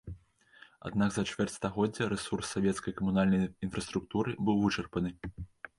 Аднак за чвэрць стагоддзя рэсурс савецкай камунальнай інфраструктуры быў вычарпаны.